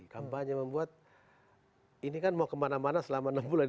kampanye membuat ini kan mau kemana mana selama enam bulan